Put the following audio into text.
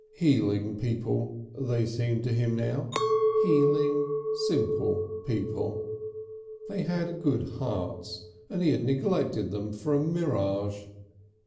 Healing people they seemed to him now healing, simple people. They had good hearts, and he had neglected them for a mirage.